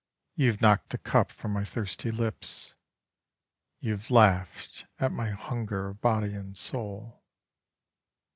You have knocked the cup from my thirsty lips. You have laughed at my hunger of body and soul.